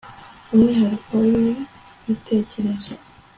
Umwihariko wibitekerezo